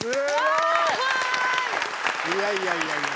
いやいやいやいや。